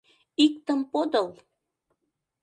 Иктым подыл.